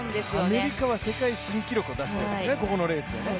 アメリカは世界新記録を出しているんですよね、ここのレースでね。